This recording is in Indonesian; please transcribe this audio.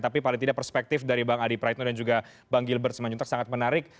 tapi paling tidak perspektif dari bang adi praetno dan juga bang gilbert simanjuntak sangat menarik